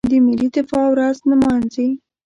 د ملي دفاع ورځ نمانځي.